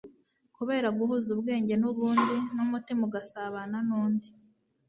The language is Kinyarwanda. kubera guhuza ubwenge n'ubundi, n'umutima ugasabana n'undi.